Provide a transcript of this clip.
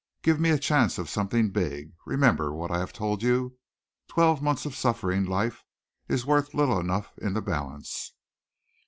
Give me a chance of something big. Remember what I have told you. Twelve months of suffering life is worth little enough in the balance."